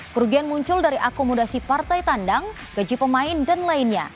kerugian muncul dari akomodasi partai tandang gaji pemain dan lainnya